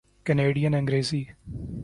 Canadian Angrezi